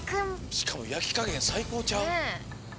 しかもやきかげんさいこうちゃう？